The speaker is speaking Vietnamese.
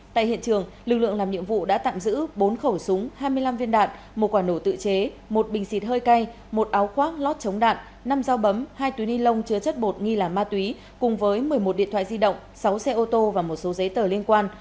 tại hiện trường lực lượng làm nhiệm vụ đã tạm giữ bốn khẩu súng hai mươi năm viên đạn một quả nổ tự chế một bình xịt hơi cay một áo khoác lót chống đạn năm dao bấm hai túi ni lông chứa chất bột nghi là ma túy cùng với một mươi một điện thoại di động sáu xe ô tô và một số giấy tờ liên quan